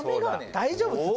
大丈夫？